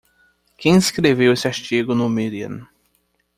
Quem escreveu este artigo no Medium?